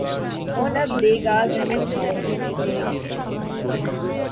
کون اب دے گا گھنی چھاؤں مُجھے، کوئی نہیں